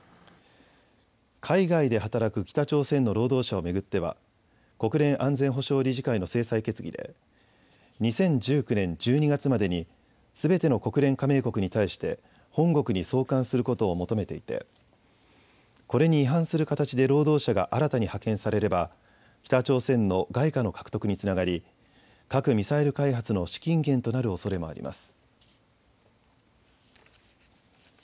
海外で働く北朝鮮の労働者を巡っては国連安全保障理事会の制裁決議で２０１９年１２月までにすべての国連加盟国に対して本国に送還することを求めていてこれに違反する形で労働者が新たに派遣されれば北朝鮮の外貨の獲得につながり、核・ミサイル開発の資金源となるおそれもあります。